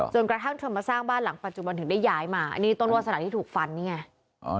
กระทั่งเธอมาสร้างบ้านหลังปัจจุบันถึงได้ย้ายมานี่ต้นวาสนาที่ถูกฟันนี่ไง